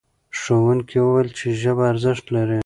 ښوونکي وویل چې ژبه ارزښت لري.